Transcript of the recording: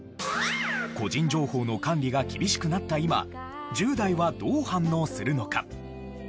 個人情報の管理が厳しくなった今１０代はどう反応するのか？